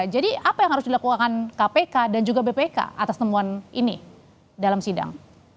jadi apa yang harus dilakukan kpk dan juga bpk atas temuan ini dalam sidang